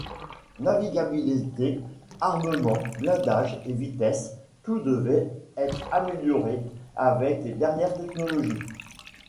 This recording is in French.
Navigabilité, armement, blindage et vitesse, tout devait être amélioré avec les dernières technologies.